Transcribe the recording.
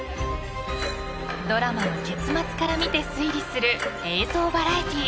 ［ドラマを結末から見て推理する映像バラエティー］